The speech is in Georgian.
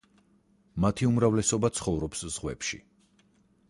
მათი უმრავლესობა ცხოვრობს ზღვებში.